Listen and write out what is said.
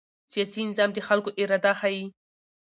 سیاسي نظام د خلکو اراده ښيي